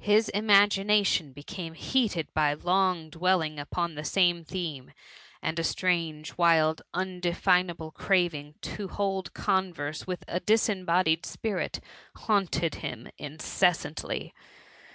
His ima gination became heated by long dwelling upon the same theme; and a strange, wild, unde * finable craving to hold converse with a dis embodied spirit haunted him incessantly.